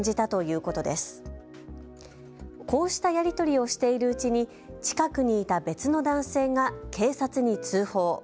こうしたやり取りをしているうちに近くにいた別の男性が警察に通報。